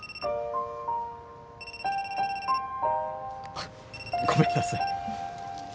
あっごめんなさい。